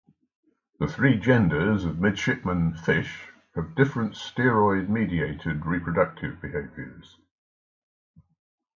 The three genders of midshipman fish have different steroid-mediated reproductive behaviors.